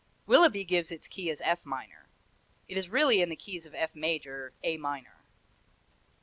Willeby gives its key as F minor. It is really in the keys of F major A minor.